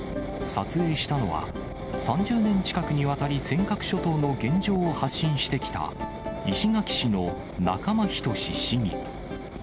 撮影したのは、３０年近くにわたり尖閣諸島の現状を発信してきた石垣市の仲間均市議。